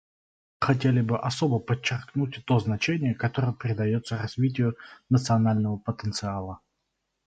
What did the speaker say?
Мы хотели бы особо подчеркнуть то значение, которое придается развитию национального потенциала.